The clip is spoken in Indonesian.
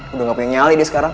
udah gak punya nyali dia sekarang